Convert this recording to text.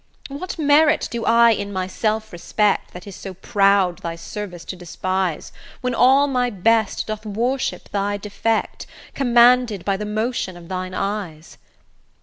What merit do I in my self respect, That is so proud thy service to despise, When all my best doth worship thy defect, Commanded by the motion of thine eyes?